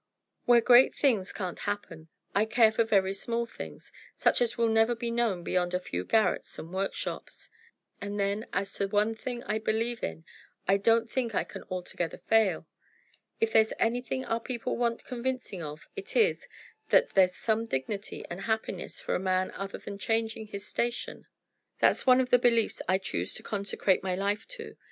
Where great things can't happen, I care for very small things, such as will never be known beyond a few garrets and workshops. And then, as to one thing I believe in, I don't think I can altogether fail. If there's anything our people want convincing of, it is, that there's some dignity and happiness for a man other than changing his station. That's one of the beliefs I choose to consecrate my life to.